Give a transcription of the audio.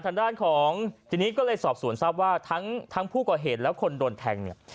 ทางด้านของทีนี้ก็เลยสอบสวนทราบว่าทั้งผู้ก่อเหตุและคนโดนแทงเนี่ย